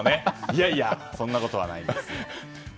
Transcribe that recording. いやいやそんなことはないです。